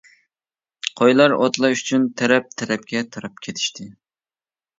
قويلار ئوتلاش ئۈچۈن تەرەپ-تەرەپكە تاراپ كېتىشتى.